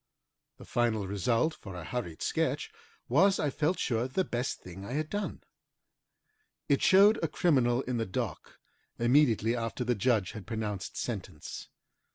The final result, for a hurried sketch, was, I felt sure, the best thing I had done. It showed a criminal in the dock immediately after the judge had pronounced sentence.